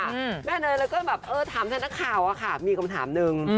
แนนเตอร์ก็อย่างแบบฐามฉันนักข่าวมีคำถามหนึ่ง